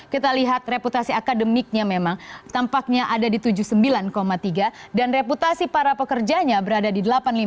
kita lihat reputasi akademiknya memang tampaknya ada di tujuh puluh sembilan tiga dan reputasi para pekerjanya berada di delapan puluh lima